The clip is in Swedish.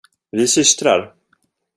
Vi är systrar!